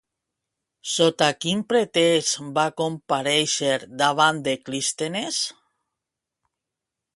Sota quin pretext va comparèixer davant de Clístenes?